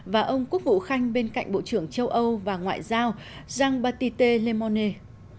và ông quốc vụ khanh bên cạnh bộ trưởng châu âu và ngoại giao jean baptiste le monnais